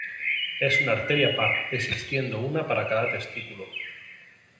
Es una arteria par, existiendo una para cada testículo.